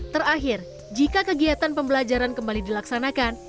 terakhir jika kegiatan pembelajaran kembali dilaksanakan